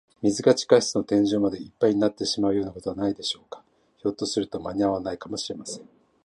水が地下室の天井までいっぱいになってしまうようなことはないでしょうか。ひょっとすると、まにあわないかもしれません。